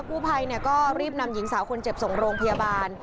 กู้ภัยก็รีบนำหญิงสาวคนเจ็บส่งโรงพยาบาล